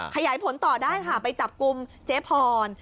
ขยายผลต่อได้ค่ะไปจับกลุ่มเจ๊พร